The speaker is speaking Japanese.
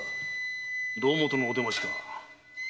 胴元のお出ましか。